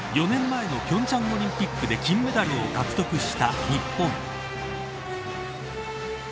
４年前の平昌オリンピックで金メダルを獲得した日本。